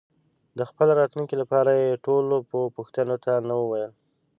د خپل راتلونکي لپاره یې ټولو پوښتنو ته نه وویل.